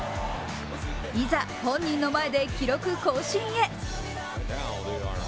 いざ、本人の前で記録更新へ。